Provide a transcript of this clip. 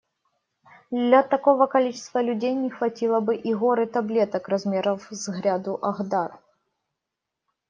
Для такого количества людей не хватило бы и горы таблеток размером с гряду Ахдар.